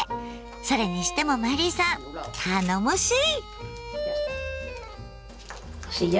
それにしてもマリーさん頼もしい！